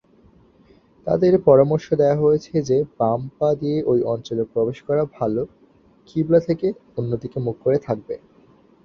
তাদের পরামর্শ দেওয়া হয়েছে যে বাম পা দিয়ে ওই অঞ্চলে প্রবেশ করা ভাল কিবলা থেকে অন্য দিকে মুখ করে থাকবে।